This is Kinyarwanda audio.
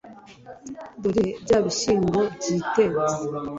dore bya bishyimbo byitetse."